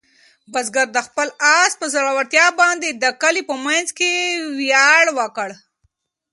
بزګر د خپل آس په زړورتیا باندې د کلي په منځ کې ویاړ وکړ.